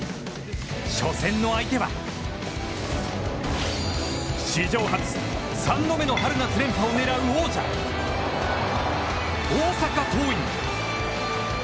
初戦の相手は史上初、３度目の春夏連覇を狙う大阪桐蔭。